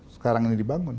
sekarang ini dibangun ya